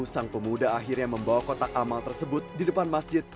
sang pemuda akhirnya membawa kotak amal tersebut di depan masjid